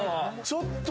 ちょっと。